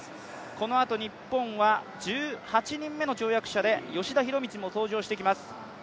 このあと日本は１８人目の跳躍者で吉田弘道も登場してきます。